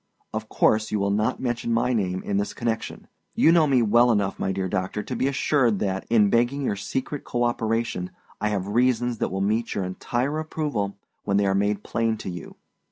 Of course you will not mention my name in this connection. You know me well enough, my dear doctor, to be assured that, in begging your secret cooperation, I have reasons that will meet your entire approval when they are made plain to you.